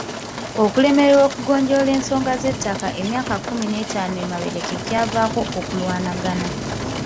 Okulemererwa okugonjoola ensonga z'ettaka emyaka kkumi n'etaano emabega kye kyavaako okulwanagana.